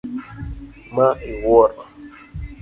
Ma iwuoro.